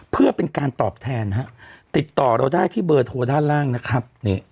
เพื่อเป็นการตอบแทนฮะติดต่อเราได้ที่เบอร์โทรด้านล่างนะครับ